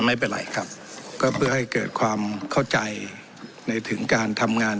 ไม่เป็นไรครับก็เพื่อให้เกิดความเข้าใจในถึงการทำงาน